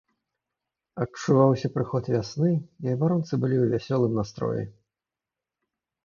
Адчуваўся прыход вясны, і абаронцы былі ў вясёлым настроі.